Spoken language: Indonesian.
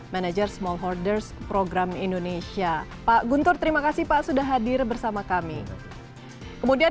manager smallhorders program indonesia pak guntur terima kasih pak sudah hadir bersama kami kemudian